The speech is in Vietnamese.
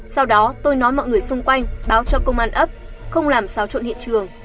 sau đó tôi nói mọi người xung quanh báo cho công an ấp không làm xáo trộn hiện trường